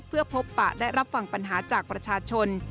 เพื่อพบปะและรับฟังปัญหาจากประชาชน